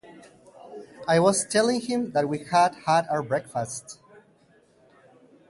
I was telling him that we had had our breakfast.